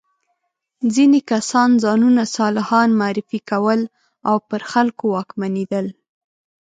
ځینې کسان ځانونه صالحان معرفي کول او پر خلکو واکمنېدل.